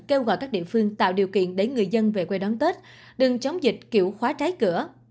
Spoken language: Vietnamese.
kêu gọi các địa phương tạo điều kiện để người dân về quê đón tết đừng chống dịch kiểu khóa trái cửa